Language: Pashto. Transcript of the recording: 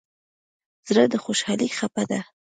زړه د خوشحالۍ څپه ده.